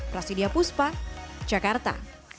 prasidia puspa jakarta